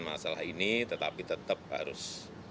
masalah ini tetapi tetap harus